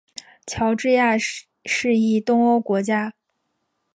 乔治亚是一东欧国家。